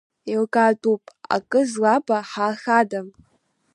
Еилкаатәуп акы злаба ҳаахада?!